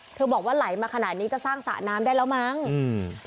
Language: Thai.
บอกว่าไหลมาขนาดนี้จะสร้างสระน้ำได้แล้วมั้งอืม